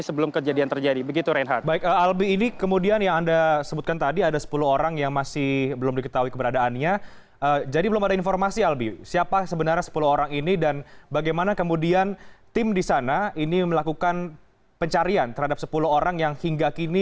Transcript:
sebelum kebakaran terjadi dirinya mendengar suara ledakan dari tempat penyimpanan